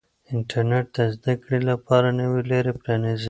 انټرنیټ د زده کړې لپاره نوې لارې پرانیزي.